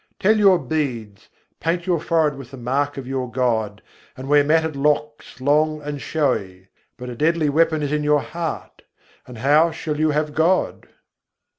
Tell your beads, paint your forehead with the mark of your God, and wear matted locks long and showy: but a deadly weapon is in your heart, and how shall you have God?